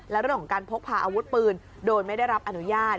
และเรื่องของการพกพาอาวุธปืนโดยไม่ได้รับอนุญาต